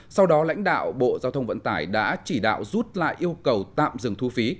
sau đó lãnh đạo bộ giao thông vận tải đã chỉ đạo rút lại yêu cầu tạm dừng thu phí